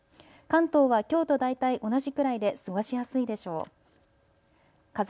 関東はきょうと大体同じくらいで過ごしやすいでしょう。